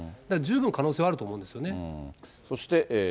だから十分可能性はあると思うんですよね。